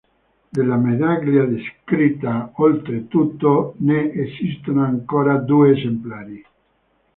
Della medaglia, descritta, oltretutto, ne esistono ancora due esemplari.